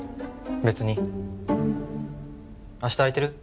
別に明日空いてる？